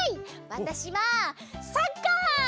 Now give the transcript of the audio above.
わたしはサッカー！